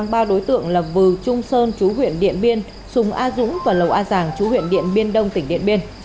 ba đối tượng là vừ trung sơn chú huyện điện biên sùng a dũng và lầu a giàng chú huyện điện biên đông tỉnh điện biên